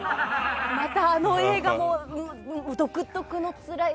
またあの映画も独特のつらい。